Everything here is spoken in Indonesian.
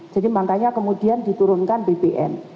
jadi makanya kemudian diturunkan bbm